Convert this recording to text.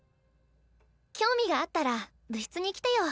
興味があったら部室に来てよ。